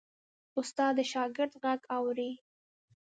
استاد د شاګرد غږ اوري.